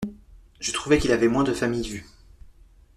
Je trouvais qu’il y avait moins de familles vues.